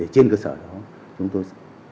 trên cơ sở đó chúng tôi